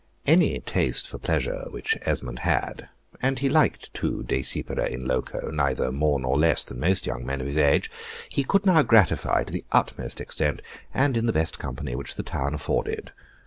Any taste for pleasure which Esmond had (and he liked to desipere in loco, neither more nor less than most young men of his age) he could now gratify to the utmost extent, and in the best company which the town afforded.